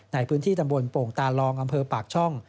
ในพื้นที่ตำบลโป่งตาลองอำเภอปากช่อง